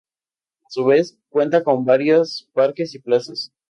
A su vez, cuenta con varios parques y plazas.